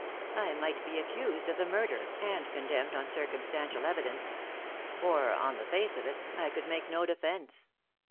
I might be accused of the murder, and condemned on circumstantial evidence for, on the face of it, I could make no defence.